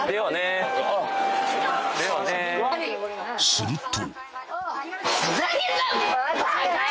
［すると］